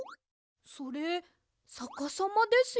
それさかさまですよ。